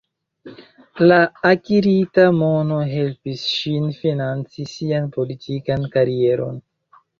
La akirita mono helpis ŝin financi sian politikan karieron.